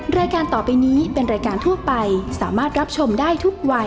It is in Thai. รายการต่อไปนี้เป็นรายการทั่วไปสามารถรับชมได้ทุกวัย